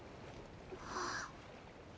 あっ。